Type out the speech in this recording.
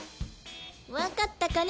分かったかね？